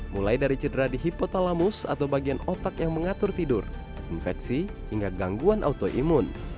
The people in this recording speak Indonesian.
mulai dari cedera di hipotalamus atau bagian otak yang mengatur tidur infeksi hingga gangguan autoimun